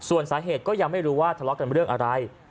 ส่วนสาเหตุก็ยังไม่รู้ว่าทะเลาะกันเรื่องอะไร